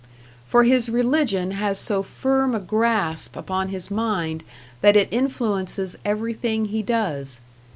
For his religion has so firm a grasp upon his mind that it influences everything he does.